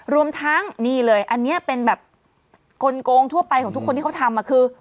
รวมทั้งนี่เลยอันนี้เป็นแบบกลงทั่วไปของทุกคนที่เขาทำคือ